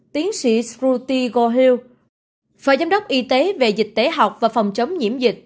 tiến sĩ shruti gohil phở giám đốc y tế về dịch tế học và phòng chống nhiễm dịch